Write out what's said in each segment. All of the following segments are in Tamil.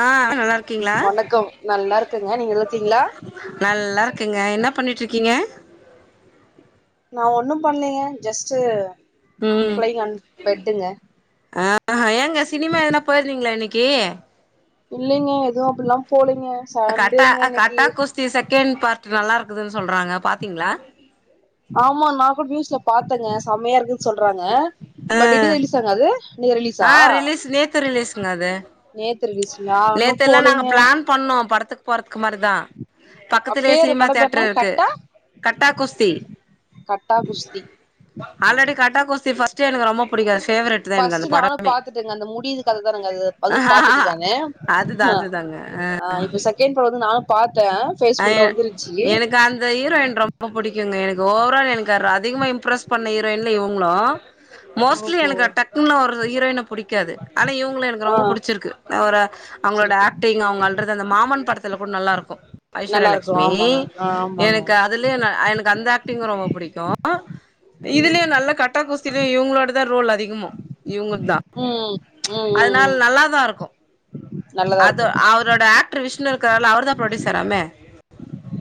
ஆ ஆ நல்லார் வணக்கம் நல்லா இருக்குங்க நீங்க இழுத்தீங்களா நல்லாருக்கேங்க என்ன பண்ணிட் ருக்கீங்க நா ஒன்னு பண்ணலயீங்க ஜஸ்ட்டு ஃப்ளைங் அன் பெட்டுங்க ஆ ஏங்க சினிமா எதுனா போயிருந்தீங்களா இன்னைக்கி இல்லேங்க எதுவு அப்டிலா போலீங்க கட்டா சண்டேங்க இன்னைக்கு கட்டா குஸ்தி செகண்ட் பார்ட்ட் நல்லா இருக்குதுன் சொல்றாங்க பாத்தீங்களா ஆமா நா கூட நியூஸ்ல பாத்தேங்க சமையா இருக்குன்னு சொல்றாங்க ஆ பட் இடியலிசாங்க அது இன்னைக்கு ரிலீஸா ஆ ரிலீஸ் நேத்து ரிலீஸ்ங்க அது நேத்து ரிலீஸ்ங்களா இன்னும் நேத்து ல்லா நாங்க போலீங்க ப்ளான் பண்ணோ படத்துக் போறதுக்கு மாரிதா பக்கத்திலயே பேரு சினிமா படம் பேரு என்ன தியேட்டர் இருக்கு கட்டா கட்டா குஸ்தி கட்டா குஸ்தி ஆல்ரெடி கட்டா குஸ்தி ஃபஸ்டே எனக்கு ரொம்ப புடிகு ஃபேவரேட் தா எனக்கு அது நானு பாத்துட்டேங்க அந்த முடியிது கததா நாங்க அதுவு பாத்துட்டந் தான அதுதான் அ அதுதாங்க ஆ அ இப்ப செகண்ட் பட வந்து நானு பாரத்தே அ எனக் அந்த ஹீரோயின் ரொம்ப புடிக்குங்க எனக்கு ஓவரால் எனக்கு அதிகமா இம்ப்ரெஸ் பண்ண ஹீரோயின்ல இவுங்ளு மோஸ்ட்லி ஓஹோ எனக்கு டக்குனுலா ஒரு ஹீரோயின புடிக்காது ஆனா இவங்கள எனக்கு ஆ ரொம்ப புடுச்சிருக்கு ஒரு அவுங்ளோட புடிச்சிருக்கு ஆக்டிங் அவுங்க அல்றது அந்த மாமன் படத்துல கூட நல்லா இருக்கு ஐஸ்வர்ய நல்லா இருக்கு லெக்ஷ்மி ஆமாங்க ஆ ஆமாங்க எனக்கு அதுலயு ந எனக்கு அந்த ஆக்டிங்கு ரொம்ப புடிக்கு ம் இதுலயு நல்லா கட்டா குஸ் திலியு இவுங்களோடதா ரோல் அதிகமோ இவுங்கதா ம் ம் ம் அதுனால ம் நல்லா தா இருக்கு நல்லதா அது இருக்கு அவரோட ஆக்டர் விஷ்ணு இருக்கார்ல அவர்தா ப்ரொடியூசராமே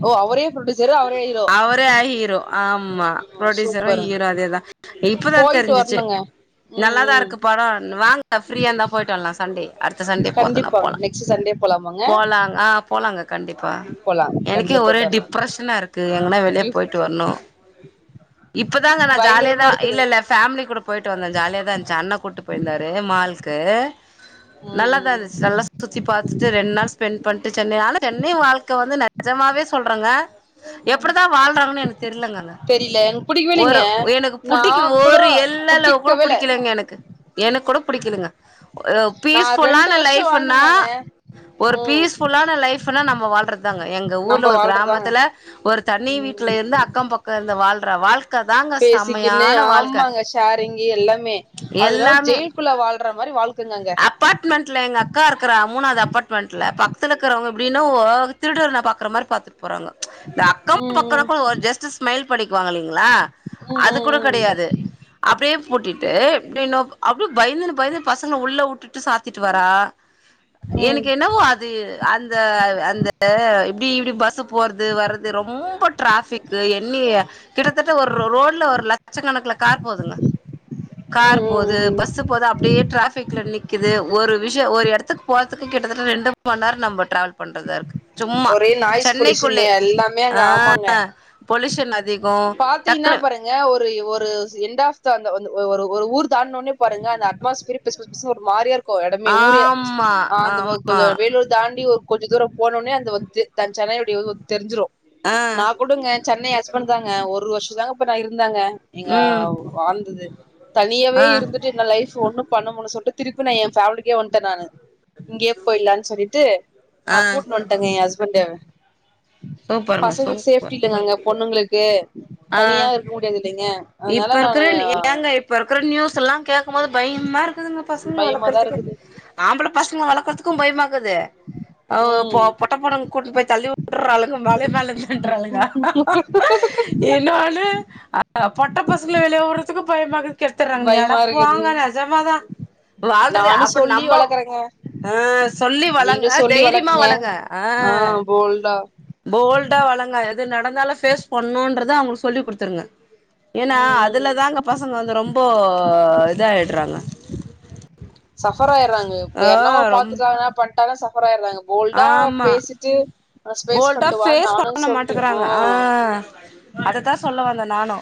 ஓ அவரே ப்ரொடியூசரு அவரே ஹீரோ அவரே அயி ஹீரோ ஆமா ம் ப்ரொடியூசரு சூப்பருங்க ஹீரோ அதேதா இப்பதா போயிட்டு தெரிஞ்சிச்சு வரணுங்க ம் நல்லா தா ம் இருக்கு படோ வாங்க ஃப்ரீயா இருந்தா போய்ட்டு வர்லா சண்டே அடுத்த சண்டே போர்துன கண்டிப்பாங்க போலா நெக்ஸ்ட் சண்டே போலாமாங்க போலாங்க ஆ போலாங்க கண்டிப்பா போலா எனக்கே கண்டிப்பா ஒரே போயிட்டு வரலா டிப்ரெஷனா இருக்கு எங்கன்னா வெளியெ கிஃப்ட் பொயிட்டு வர்ணு இப்பதாங்க நா ஜாலியாதா பயங்கரமா இருக்குதுங்க இல்லல்ல ஃபேமிலி கூட பொயிட்டு வந்தே ஜாலியாதா இருந்ச்சு அண்ண கூட்டு போயிருந்தாரு மாலுக்கு ம் நல்லதா ம் இருந்ச்சு நல்லா சுத்தி பாத்துட்டு ரெண்டு நாள் ஸ்பெண்ட் பண்ட்டு சென்னை ஆனா சென்னை வாழ்க்க வந்து நெஜமாவே சொல்றங்க ம் எப்டிதா வாழ்றாங்கனு எனக்கு தெர்லங்க அங்க தெரியல எனக்கு புடிக்கவே ஒரு இல்லைங்க எனக்கு நா புடிக்கு கூட ஒரு எல்லளவு கூட புடிக்கவே இல்ல புடிக்கலெங்க எனக்கு எனக்கு கூட புடிக்கலங்க அ நா ரெண்டு பீஸ்ஃபுல்லான வருஷோ லைஃப் ன்னா வாழ்ந்தங்கங்க ஒரு ம் பீஸ்ஃபுல்லான லைஃப் ன்னா நம்ப வாழ்றதுதாங்க எங்க ஊர்ல நம்ம ஒரு வாழ்றதாங்க கிராமத்துல ஒரு தணி ம் வீட்ல இருந்து அக்கம் பக்க கொ இருந்து வாழ்ற வாழ்க்க தாங்க செமையான வாழ்க்க ஷாரிங்கி எல்லாமே அதனவு எல்லாமே ஜெயில்க்குள்ள வாழ்ற மாரி வாழ்க்கங்க அங்க அப்பார்ட்மெண்ட்ல எங்க அக்கா இருக்கிறா மூனாவது அப்பார்ட்மெண்ட்ல பக்த்துல இக்குறவங்க எப்டின்னு ஒ திருடர்ன பாக்குற மாரி பாத்துட்டு போறாங்கொ இந்த அக்கம் பக்கொனா ம் கொட ஒரு ஜஸ்ட் ஸ்மைல் பன்னிக்குவாங்க இல்லிங்களா ம் அது கூட ம் ம் கெடையாது அப்டியே பூட்டிட்டு அப்டி இன்னு அப்டி பயந்துன்னு பயந்து பசங்க உள்ள உட்டுட்டு சாத்திட்டு வரா ம் ம் எனக்கு என்னவோ அது அந்த அந்த இப்டி இப்டி பஸ் போறது வரது ரொம்ப ட்ராஃபிக்கு எண்ணி கிட்டத்தட்ட ஒரு ரோட்ல ஒரு லட்ச கணக்குல கார் போதுங்க கார் ம் போது ம் பஸ் பஸ்ஸு போது அப்டியே ட்ராஃபிக்ல நிக்கிது ஒரு விஷ்யொ ஒரு எடத்துக்கு போறதுக்கு கிட்டத்தட்ட ரெண்டு டு மண் நேரோ நம்ப ட்ராவல் பண்றதா இருக்கு சும்மா ஒரே நாய்ஸ் பொல்யூஷன் சென்னைக்குள்ளே எல்லாமே அங்க ஆ பொலியூஷன் அது பாத்து இன்னாப்பறு ங்க ஒரு ஒரு எண்ட் ஆப் த அந்த அந்த ஒரு ஒரு ஊர் தாண்ட்ன ஒட்னே பாருங்க அந்த அட்மாஸ்பிய்ரே பிஸ் பிஸ் பிஸ்னு ஒரு மாரியா இரு க்கு எடமே ஊரே ஆமா ஆ அந்த ஆமா கொஞ்சொ வேலூர் தாண்டி ஒரு கொஞ்சோ துரோ போணோனே அந்த [unintelligible] தெர்ஞ்சுரு அ குடுங்க சென்னை ஹஸ்பண்ட் தாங்க ஒரு வர்ஷோதாங்க இப்ப நா இருந்தாங்க எங்க ம் வாழ்ந்தது தனியாவே ஆ இருந்து ட்டு இந்த லைஃப்பு ஒன்னு பண்ண முல்னு சொல்ட்டு திருப்பி நா எ ஃபேமிலிக்கே வந்ட்டே நானு இங்கே போயிலானு சொல்லிட்டு ஆ நா கூட்டுனு வன்டங்க எ ஹஸ்பண்ட்ட சூப்பருங்க பசங்களுக்கு சேஃப்டி சூப்பர் இல்லங்க அங்க பொண்ணுங்களுக்கு தனியா ஆ இருக்க முடியாது இல்லைங்க அதனால இப்ப நானு இருக்கிற ஏங்க இப்ப இருக்குற நியூஸ் எல்லா கேக்கும் போது பயம்மா இருக்குதுங்க பசங்கள பயமாதா வளக்கறதுக்கே இருக்குது ஆம்பள பசங்கள வளக்குதுக்கு பயமாக்குது ஆ பொ ம் பொட்ட பொன்ன அங்க கூட்டு போய் தள்ளி உட்டுறாளுங்க மலை மேலன்றாளுங்க இன்னொனு ஆ பொட்ட பசங்கள வெளிய விடுறதுக்கு பயமா இக்குது கெத்துட்றாங்க நீ அட பயமா இருக்குது போங்க நெஜமாதா வாழ்றது நானு அப்டி சொல்லி நம்ப வளர்க்கறேங்க ஆ சொல்லி வளங்க நீங்களு சொல்லி தைரியமா வளக்குங்க வளங்க அ ஆ போல்டா போல்டா வளங்க எது நடந்தாலு பேஸ் பண்ணுன்றத அவங்களுக்கு சொல்லி குடுத்துருங்க ஏனா ம் ம் அதுல தாங்க பசங்க வந்து ரொம்போ இதாயிடுறாங்க சஃபர் ஆயறாங்க இப்ப ஆ யாருனா ரொம் பாத்துட்டா தா பன்ட்டாங்க சஃபரா ஆயிராங்க போல்டா ஆமா பேசிட்டு ஸ்பேஸ் போல்டா பண்ணிட்டு வான்னு பேஸ் நானு பண்ண சொல்லி மாட்டங்கறாங்க ஆ அதத்தா சொல்ல வந்த நானு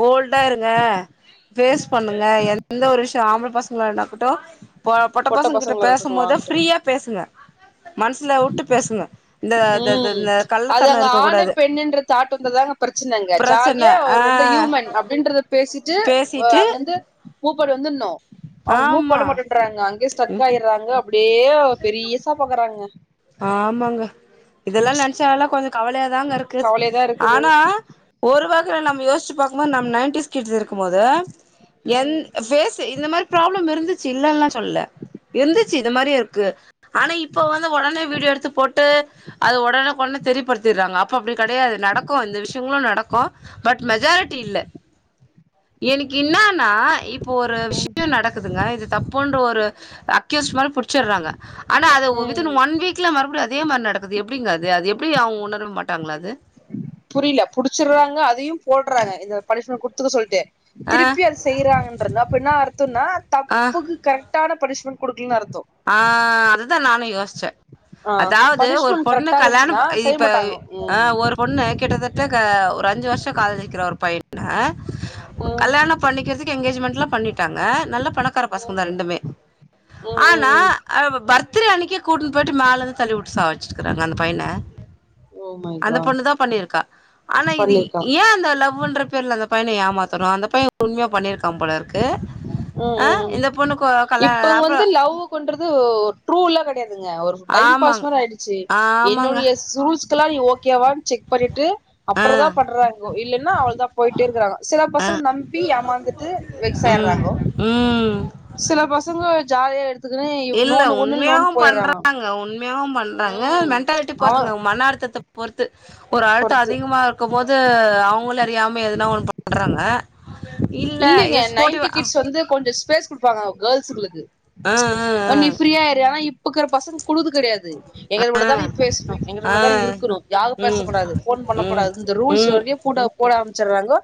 போல்டா இருங்க பேஸ் பண்ணுங்க எந்த ஒரு விஷ் ஆம்பள பசங்கள இருக்கட்டு பொ பொட்ட பசங்கிட்ட பசங்களா இருக்கட்டும்லா பேசும்போது ப்ரீயா பேசுங்க மனசுல உட்டு பேசுங்க இந்த த த ம் இந்த அது கள்ளத்தனோ அங்க இருக்க ஆணு கூடாது பெண்ணுன்ற தாட் வந்தா தாங்க பிரச்சன அங்க பிரச்சன ஜாலியா ஒரு ரெண்டு ஆ ஹூமன் அப் அப்டின்றத பேசிட்டு பேசிட்டு அங்கிந்து மூவ் பண்ணி வந்துட்னு அவங்க மூவ் ஆமா பண்ண மாட்டன்றாங்க அங்கயே ஸ்டக் ஆயிறாங்க அப்டியே பெரியசா பாக்குறாங்க ஆமாங்க இதெல்லா நெனச்சனால கொஞ்சோ கவலையாதாங்க இருக்கு கவலையாதா இருக்குது ஆனா ஒருவகைல நம்ம யோஸ்ச்சு பாக்கும் போது நம் நைன்ட்டிஸ் கிட்ஸ் இருக்கும் போது என் ம் ஃபேசு இந்த மாரி ப்ராப்ளம் இருந்து ச்சு இல்லன்ல்லா சொல்ல இருந்துச்சு இது மாரி இருக்கு ஆனா இப்ப வந்து ஒடனே வீடியோ எடுத்து போட்டு அது உடனேக்கு உடனே தெரியப்படுத்திறாங்க அப்ப அப்டி கெடையாது நடக்கு இந்த விஷயங்களு நடக்கு பட் மெஜாரிட்டி இல்ல எனக்கு இன்னான்னா இப் இப்போ ஒரு ம் விஷயோ நடக்குதுங்க இது தப்புன்ற ஒரு அக்யூஸ்ட் மாரி புடிச்சிறாங்க ஆனா அது வித்தின் ம் ஒன் வீக் ல மறுபடியு அதே மாரி நடக்குது எப்டிங்க அது அது எப்டி அவங்க உணர மாட்டாங்களா அது புரில புடிச்சிர்ராங்க அதையு போடுறாங்க இந்த பனிஷ்மெண்ட் குடுத்துக்க சொல்ட்டு ஆ, திருப்பி அது செய்றாங்கன்றத அப்ப என்ன அர்த்தோனா ஆ. தப்புக்கு கட் கட்டான பனிஸ்மெண்ட் குடுக்கலன் அர்த்தோ ஆ அதுதா நானு யோசிச்ச ஆ அதாவது ஒரு பனிஷ்மெண்ட் பொண்ணு கரெக்டா கல்யாணம் இருந்துச்சுன்னா செய்ய இப்ப மாட்டாங்க அ ம் ஒரு பொண்ணு கிட்டத்தட்ட க ஒரு அஞ்சு வருஷோ காதலிக்கிறா ஒரு பையன ம் கல்யாணம் பண்ணிக்கிறதுக்கு எங்கேஜ்மெண்ட்லா பண்ணிட்டாங்க நல்ல பணக்கார ம் பசங்கதா ரெண்டுமே ம் ம் ம் அ பர்த்டே அன்னிக்கே கூட்டிட்டு போய்ட்டு மேலருந்து தள்ளி உட்டு சாவடிச்சுருக்கறாங்க அந்த பையன ஓ மை அந்த காட் பொண்ணு தா பண்ணிருக்கா ஆனா இது பண்ணிருக்காங்க ஏ அந்த லவ்வுன்ற பேர்ல அந்த பையன ஏமாத்தணு அந்த பைய உண்மையா பண்ணியிருக்கா போல இருக்கு ம் அ ம் இந்த பொண்ணுக்கு கல்யா அப்ப லவ் பண்றது ட்ரூல்ல கெடையாதுங்க ஒரு டைம் பாஸ் ஆமாங் மாரி ஆய்டுச்சி ஆமாங்க என்னுடைய சுல்ஸ்கெல்லா நீ ஓகேவான் செக் பண்ணிட்டு ஆ அப்ரோ தா பண்றாங்கோ இல்லைன்னா அவ்ளதான் போயிட்டே இருக்கறாங்க சில பசங்க நம்பி ஏமாந்துட்டு ம் செயிராங்கோ ம் சில பசங்க ஜாலியா எடுத் இல்ல உண்மையாவு பண்றாங்க உண்மையாவு பண்றாங்க ம் மென்டாலிட்டி அவ பொருத்துங்க மன அழுத்தத்த பொறுத்து ஒரு அழுத்த பொறுத்து அதிகமா இருக்கும்போது அவுங்களே அறியாம எதுனா ஒண்ணு பண்றாங்க இ இல்லைங்க நைன் டி கிட்ஸ் வந்து கொஞ்சோ ஸ்பேஸ் குடுப்பாங்க கேள்ஸ்களுக்கு ஆ ஆ நீ ஃப்ரீயா ஆயிரு ஆனா இப்போக்கிற பசங்க குழுது கிடையாது எங்க கூட ஆ தான் நீ பேசணும் எங்க ஆ கூட ஆ தான் நீ இருக்கணும் யாரும் ம் பேசக்கூடாது போன் பண்ணக் ம் கூடாது இந்த ரூல்ஸ் சோடயே கூட போட அரம்ச்சர்றாங்க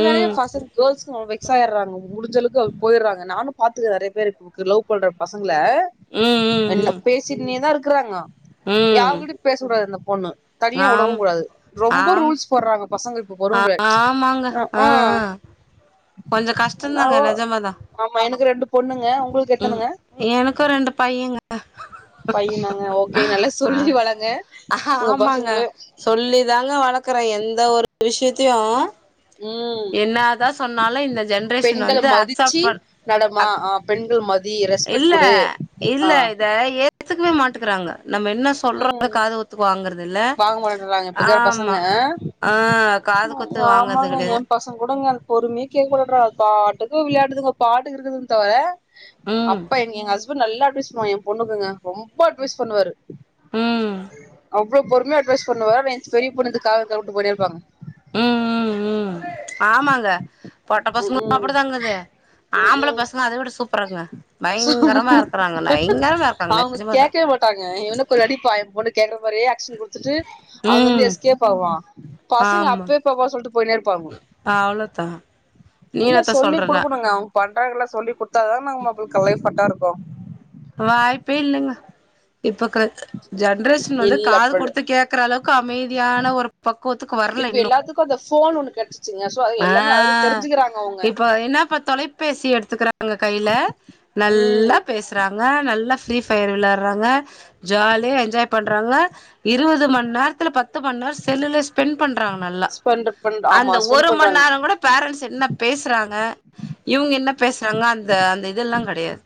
ம் ம் பசங்க கேல்ஸ்ம் வெக்ஸ் ஆயடுறாங்க முடிஞ்ச அளவுக்கு போயறாங்க நானும் பாத்துக்கே நறைய பேர் இப்படி லவ் பண்ற பசங்கள ம் என்ன ம் பேசிகின்னேதான் இருக்கறாங்க ம் ம் யார்கிட்டயும் பேச ப அந்த பொண்ணு தனியா ஆம் உடவும் கூடாது ரொம்ப ஆம் ரூல்ஸ் போடுறாங்க பசங்க போ பொறுங் முடியாது ஆ ஆ கொஞ்சோ கஷ் என்னாவோ ஆமா எனக்கு ரெண்டு பொண்ணுங்க உங்களுக்கு எத்தனங்க எனக்கூ ரெண்டு பையங்க பையனாங்க ஓகே நல்லா சொல்லி வளங்க உங்க பசங்கள சொல்லி தாங்க வளக் கற எந்த ஒரு விஷயத்தையும் உம் என்னாதா சொன்னாலும் இந்த ஜென்ரேஷன் வந்து அக்செப் மதிச்சு பண் நடமா அக் அ பெண்கள் மதி ரெஸ்பெட் குடு அ த ஏ த்துக்கவே மாட்டுக்குறாங்க நம்ம இன்ன சொல்றோன்னு ம் காது குத்துக் வாங்கறதில்ல வாங்க மாட்டேன்றாங்க இப்ப இருக்கிற பசங்க ஆமா அ காது குத்து வாங்கறது கெட எம்பசங்க கூடங்க பொறுமையே கேக்வுட்ற அது பாட்டுக்கு விளையாடுதுங்க பாட்டுக்கு இருக்குதுங் தவிர ம் அப்பா எங்க எ ஹஸ்பண்ட் நல்லா அட்வைஸ் பண்ணுவா எம்பொண்ணுக்குங்க ரொம்ப அட்வைஸ் பண்ணுவாரு ம் அவ்ளோ பொறுமையா அட்வைஸ் பண்ணுவார் எஞ்ச்சி பெரிய பொண்ணு ந்த தாவத்த வுட்டு போயினேருப்பாங்கங்க ம் ம் ம் ஆமாங்க பொட்ட பசங்களு ம் அப்டிதாங்குது ம் ஆம்பள ம் பசங்க அத விட சூப்பர்ங்க பயங்கரமா இருக்கறாங்க பயங்கரமா இருக்காங்க நெஜமாதான் க்காங்க எனுக்குன்னாடி ப எம்பொண்ணு கேக்குற மாரியே ஆக் ஷன் குடுத்துட்டு அவுங்க வந்து ம் எஸ்கேப்பாவான் பசங்க அப்பே போப்போவா சொல்ட்டு போய்னே இருப்பானுவ அவ்ளோத்தா இல்ல சொல்லி குடுக்குணுங்க அவுங்க பண்றாங்ல சொல்லி குத்தாதாங் மாப்ள க லைஃப் ட்டாருக்கும் வாய்ப்பேல்லங்க இப்பக்குர ஜென்ரேஷன் வந்து இல்ல காது அப்படி குடுத்து கேக்குற அளவுக்கு அமைதியான ஒரு பக்குவத் த்துக்கு வரல இப்ப இன்னு எல்லாத்துக்கு அந்த போன் ஒண்ணு கிடைச்சிச்சுங்க சோ அது அ எல்லாமே அதுல தெரிஞ்சுக்கிறாங்க அவங்க இப்ப என்னப்பாத்தாலே பேசி எடுத்துக்கிறாங்க கைல நல்லா ம் பேசி றாங்க நல்லா ஃப்ரீ ஃபயர் வெளாட்றாங்க ஜாலியா என்ஜாய் பண் ரவ இருவது மண்நேரத்துல பத்து மண்நேரம் செல்லுலே ஸ்பெண்ட் பண்றாங்க நல்லா ஸ்பெண்ட் பண் ஆமா அந்த ஸ்பெண்ட் ஒரு பண்றாங்க மண்நேரங்கூட பேரண்ட்ஸ் என்ன பேசுறாங்க இவுங்க என்ன பேசுறாங்க அந்த அந்த இதெல்லா கெடையாது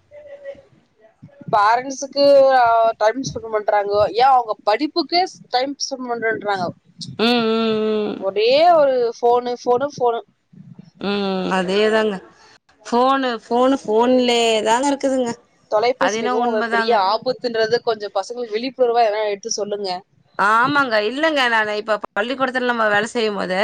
பேரண்ட்ஸுக்கு அ டைம் ஸ்பெண்ட் பண்றாங்கோ யா அவுங்க படிப்புக்கே டைம் ஸ்பெண்ட் பண்றேன்றாங்கோ ம் ம் ஒரே ஒரு ஃபோனு ஃபோனு ஃபோனு ம்ம் அதேதாங்க ஃபோனு ஃபோனு ஃபோன்லே தாங்க இருக்குதுங்க அது தொலைபேசி மிகவு என்னவோ வெ பெரிய உண்மதாங்க ஆபத்துன்றத கொஞ்சோ பசங்களுக்கு விழிப்புணர்வா எல்லா எடுத்து சொல்லுங்க ஆமாங்க இல்லங்க நானு இப்ப பள்ளிக்கோடத்துல நம்ம வேல செய்யும் போதே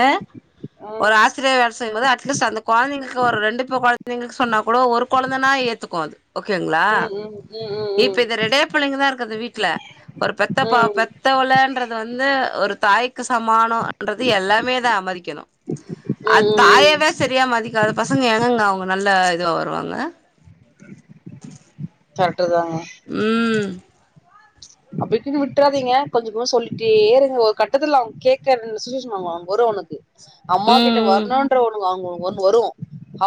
ம் ஒரு ஆஸ் [unintelligible] வேல செய்யும்போது அட்லீஸ்ட் அந்த கொழந்தைங்களுக்கு ஒரு ரெண்டு ப்ப கொழந்தைங்களுக் சொன்னா போ கூட ஒரு கொழந்தைனா ஏத்துக்கு அது ஓகேங்களா ம்ம் இப்ப இது ரெண்டே புள்ளைங்கதான் இருக்குது அந்த வீட்ல ஒரு பெத்த பா ம் ம் பெத் தவளன்றது வந்து ஒரு தாய்க்கு சமமானன்றது எல்லாமே தான் மதிக்கணும் அத் ம் ம் தாயவே செரியா மதிக்காத பசங்க எங்கங்க அவுங்க நல்ல இதுவா வருவாங்க [inaudible] கரட்டுதாங்க ம் அப்டிக்குனு விட்றாதீங்க கொஞ்ச கொஞ்சமா சொல்லிட்டேருங்க ஒரு கட்டத்துல அவுங் கேக்குற சிச்சுவேஷன் வரும் அவுனுக்கு அம்மா ம் கிட்ட ம். வரணுன்ற ஒரு அங்க ஒ ஒண்ணு வரும்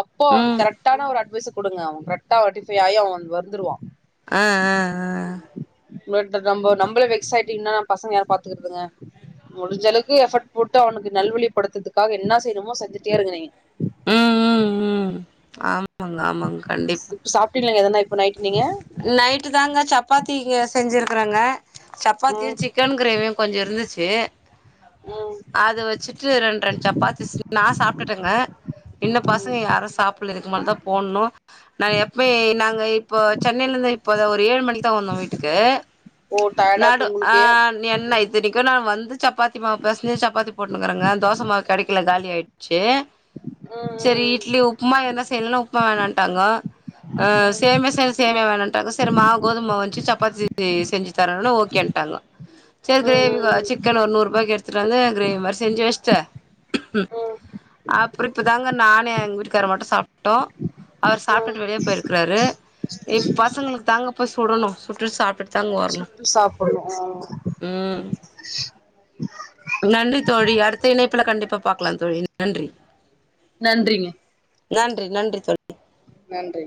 அப்ப அவன்க்கு ம். கரெக்ட்டான ஒரு அட்வைஸு குடுங்க அவன் கரெக்ட்டா ரெட்டிஃபை ஆயி அவன் வந் வந்துருவான் அஅஅஅ ஒங்கள்ட்ட நம்போ நம்பளு வெக்ஸ்ஸாயிட்டு இன்னா நம்பபசங்க யார் பாத்துக்கறதுங்க முடிஞ்சளவுக்கு எஃபர்ட் போட்டு அவனுக்கு நல்வழிப்படுத்ததுக்காக என்னா செய்யணுமோ செஞ்சுட்டே இருங்க நீங்க ஆமங்க ஆமங்க ஸ் சாப்ட்டிங்ளா எதனா இப் நைட்டுதாங்க சப்பாத்திங்க செஞ்சிருக்கறங்க சப்பாத்தியு ம் சிக் க்கன் கிரேவியு கொஞ்சோ இருந்துச்சு ம் அது வச்சுட்டு ரெண்ட்ரெண்டு சப்பாத்தி நா சாப்ட்டுட்டேங்க இன்னு ம் பசங்க யாரு சாப்ட்ல இதுக்கு மேலதா போட்ணு நாங்கள் எப்பே நாங்கள் இப்போ சென்னையிலேந்து இப்போ ஒரு ஏழு மணிக்கு தான் வந்தோம் வீட்டுக்கு ஓ டயர்டா நடு இருக்கு ஆ உங்களுக்கு என்ன ம் இதுனைக்க நான் வந்து சப்பாத்தி மாவு பெசஞ்சு சப்பாத்தி போட்ருகிரேங்க தோச மாவு கெடைக்கல காலி ஆயி செ ம் செரி இட்லி உப்புமா எனா செய்யலன்னா உப்புமா வேணான்ட்டாங்க ஆ ம் ம் சேம் செரி சேமியா வேணான்றாங்க செரி மாவு கோதுமை மாவு வச்சு சப்பாத்தி செஞ்சு தரேனு ஓகே ண்டாங்க செரி கிரேவி ம் சிக்கன் ஒரு நூறு ரூபாய்க்கு எடுத்துட்டு வந்து கிரேவி மாதிரி செஞ்சு வச்சுட்டேன் ம் ம் அப்றம் இப்போ தாங்க நானு எங்க வீட்டுக்கார மட்டும் சாப்ட்டோம் அவர் ம் சாப்ட்டுட்டு வெளியே போயிருக்கறாரு இ பசங்களுக்கு தாங்க போய் சுடணும் சுட்டுட்டு சாப்டு சுட்டு சாப்டனும் ம் நன்றி தோழி அடுத்த இணைப்புல கண்டிப்பா பாக்கலாம் தோழி நன்றி நன்றிங்க நன்றி நன்றி தோழி நன்றி